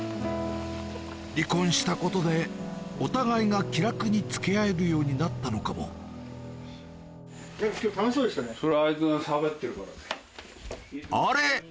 離婚したことでお互いが気楽に付き合えるようになったのかもあれ？